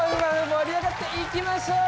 盛り上がっていきましょう！